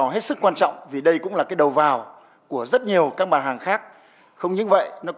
hết sức là kỹ lưỡng